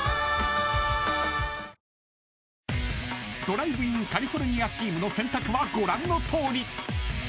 ［ドライブインカリフォルニアチームの選択はご覧のとおり］